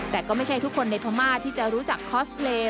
แต่ก็ไม่ใช่ทุกคนในพม่าที่จะรู้จักคอสเพลย์